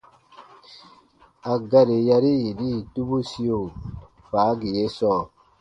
A gari yari yini tubusio faagi ye sɔɔ :